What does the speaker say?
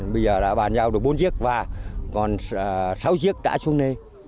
bây giờ đã bàn giao được bốn chiếc và còn sáu chiếc đã xuống nơi